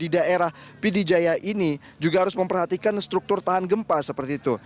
di daerah pidijaya ini juga harus memperhatikan struktur tahan gempa seperti itu